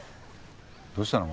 どうしたの？